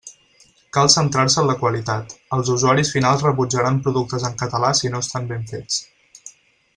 Cal centrar-se en la qualitat: els usuaris finals rebutjaran productes en català si no estan ben fets.